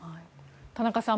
田中さん